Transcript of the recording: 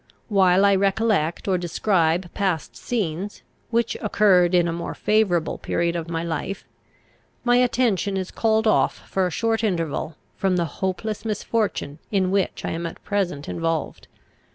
While I recollect or describe past scenes, which occurred in a more favourable period of my life, my attention is called off for a short interval, from the hopeless misfortune in which I am at present involved.